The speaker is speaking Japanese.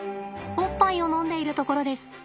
おっぱいを飲んでいるところです。